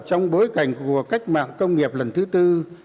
trong bối cảnh của cách mạng công nghiệp lần thứ tư